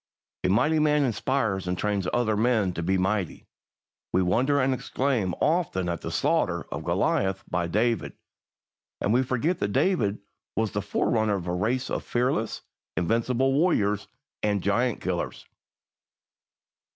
A mighty man inspires and trains other men to be mighty. We wonder and exclaim often at the slaughter of Goliath by David, and we forget that David was the forerunner of a race of fearless, invincible warriors and giant killers.